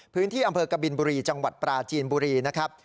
พื้นที่อำเภอกบินบุรีจังหวัดปราจีนบุรีนะครับ